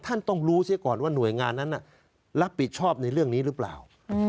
ท่านต้องรู้เสียก่อนว่าหน่วยงานนั้นรับผิดชอบในเรื่องนี้หรือเปล่า